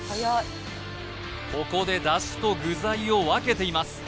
ここで出汁と具材を分けています